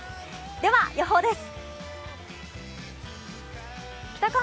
では予報です。